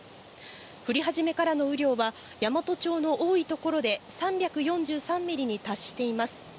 降り始めからの雨量は、山都町の多い所で３４３ミリに達しています。